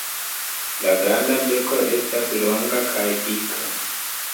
La granda beko estas longa kaj dika.